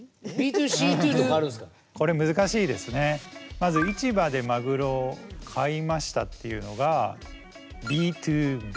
まず市場でマグロを買いましたっていうのがＢ２Ｂ。